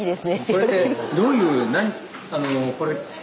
これってどういう何。